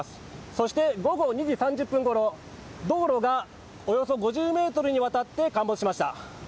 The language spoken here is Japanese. そして午後２時３０分ごろ道路がおよそ５０ｍにわたって陥没しました。